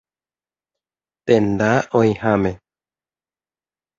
Tenda oĩháme.